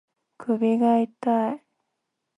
首が痛い